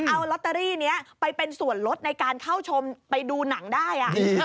เอาลอตเตอรี่นี้ไปเป็นส่วนลดในการเข้าชมไปดูหนังได้